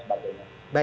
saya kira itu mas budi